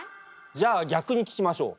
じゃあ逆に聞きましょう。